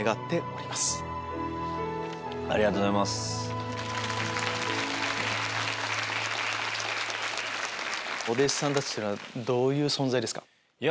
お弟子さんたちっていうのはどういう存在ですか？